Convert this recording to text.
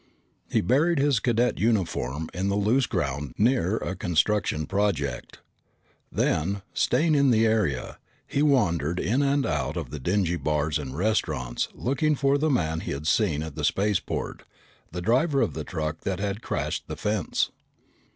He buried his cadet uniform in the loose ground near a construction project. Then, staying in the area, he wandered in and out of the dingy bars and restaurants looking for the man he had seen at the spaceport, the driver of the truck that had crashed the fence.